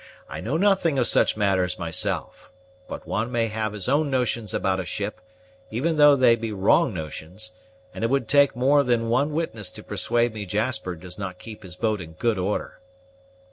I know nothing of such matters myself; but one may have his own notions about a ship, even though they be wrong notions; and it would take more than one witness to persuade me Jasper does not keep his boat in good order."